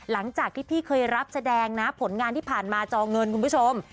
หลังจากที่พี่เคยรับแสดงนะผลงานที่ผ่านมาจอเงินคุณผู้ชม